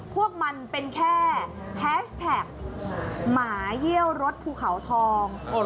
พวกมันเป็นแค่แฮชแท็กหมาเยี่ยวรถภูเขาทอง